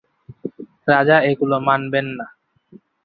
রাজা এগুলো মানবেন না।